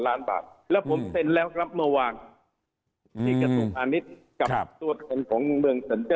แล้วผมเซ็นแล้วรับมาวางที่กระทุกภาณิชย์กับตัวเซ็นของเมืองเซนเจิ้น